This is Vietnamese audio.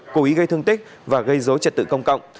cố ý gây thương tích và gây dối trật tự công cộng